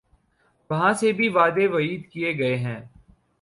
وہاں سے بھی وعدے وعید کیے گئے ہیں۔